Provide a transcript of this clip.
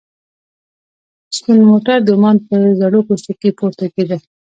سپین موټر د عمان په زړو کوڅو کې پورته کېده.